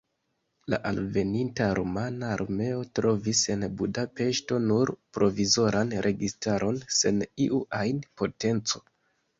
La alveninta rumana armeo trovis en Budapeŝto nur provizoran registaron sen iu ajn potenco.